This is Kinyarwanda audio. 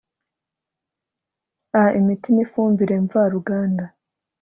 a imiti n ifumbire mvaruganda